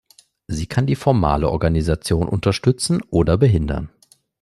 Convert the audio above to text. Sie kann die formale Organisation unterstützen oder behindern.